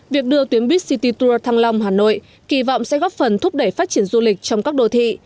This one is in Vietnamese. việc đưa tuyến buýt city tour thăng long hà nội kỳ vọng sẽ góp phần thúc đẩy phát triển du lịch trong các đô thị